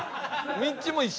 みっちも一緒？